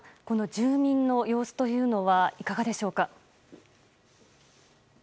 住民の様子というのはいかがでしょうか？